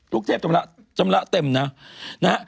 ลูกเทพชำระเต็มนะ